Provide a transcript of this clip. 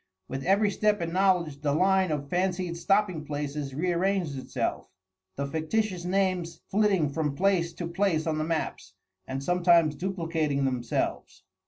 With every step in knowledge the line of fancied stopping places rearranged itself, the fictitious names flitting from place to place on the maps, and sometimes duplicating themselves.